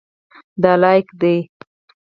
دا لاییک ده.